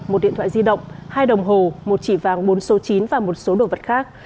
một điện thoại di động hai đồng hồ một chỉ vàng bốn số chín và một số đồ vật khác